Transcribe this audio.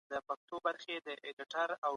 د زعفرانو ازموینه په لابراتوار کې کېږي.